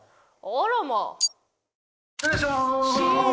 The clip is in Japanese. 失礼しまーす。